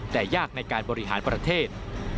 แต่ยากในการบริหารประเทศ